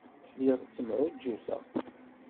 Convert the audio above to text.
Lliɣ ttemɛujjuteɣ.